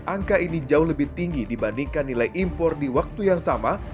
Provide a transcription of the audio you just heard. angka ini jauh lebih tinggi dibandingkan nilai impor di waktu yang sama